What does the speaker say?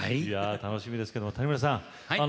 いや楽しみですけど谷村さん